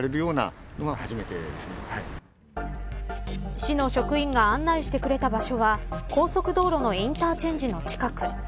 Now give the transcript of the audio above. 市の職員が案内してくれた場所は高速道路のインターチェンジの近く。